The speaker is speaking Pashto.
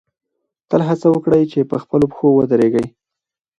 تل هڅه وکړئ چې په خپلو پښو ودرېږئ.